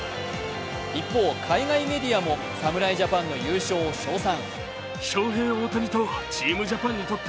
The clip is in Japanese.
一方、海外メディアも侍ジャパンの優勝を称賛。